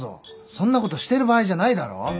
そんなことしてる場合じゃないだろ。